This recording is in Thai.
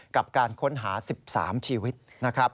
กับการค้นหา๑๓ชีวิตนะครับ